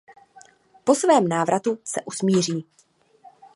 Po svém návratu se usmíří.